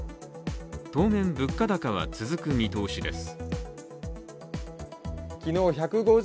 当面、物価高は続く見通しです。